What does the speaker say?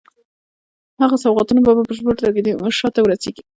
هغه سوغاتونه په بشپړه توګه تیمورشاه ته ورسیږي.